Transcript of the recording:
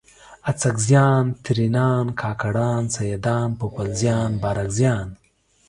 اڅکزیان، ترینان، کاکړان، سیدان ، پوپلزیان، بارکزیان